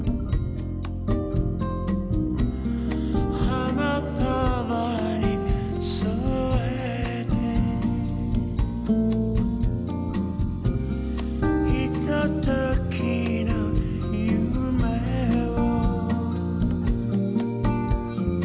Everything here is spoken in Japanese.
「花束に添えて」「ひとときの夢を」